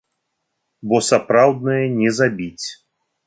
Бо сапраўднае не забіць.